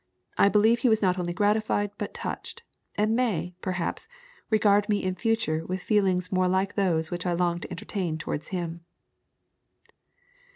I believe he was not only gratified but touched, and may, perhaps, regard me in future with feelings more like those which I long to entertain towards him."